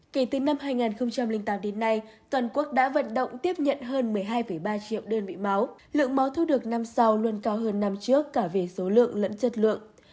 kể từ năm hai nghìn tám đến nay toàn quốc đã vận động tiếp nhận hơn một mươi hai ba triệu đơn vị máu lượng máu thu được năm sau luôn cao hơn năm trước cả về số lượng lẫn chất lượng